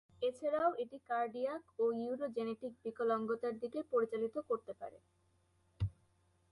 এছাড়া, এটা কার্ডিয়াক ও ইউরোজেনেটিক বিকলাঙ্গতার দিকে পরিচালিত করতে পারে।